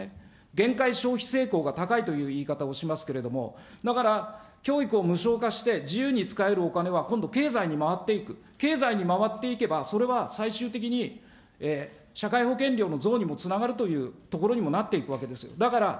限界消費性向が高いという言い方をしますけれども、だから、教育を無償化して、自由に使えるお金は今度、経済に回っていく、経済に回っていけばそれは最終的に社会保険料の増にもつながるというところにもなっていくわけですよ。